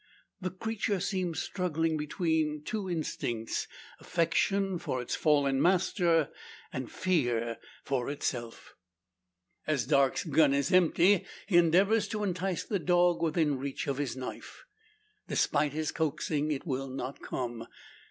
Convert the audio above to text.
The creature seems struggling between two instincts affection for its fallen master, and fear for itself. As Darke's gun is empty, he endeavours to entice the dog within reach of his knife. Despite his coaxing, it will not come!